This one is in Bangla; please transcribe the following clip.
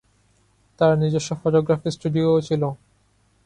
তাঁর নিজস্ব ফটোগ্রাফি স্টুডিওও ছিল।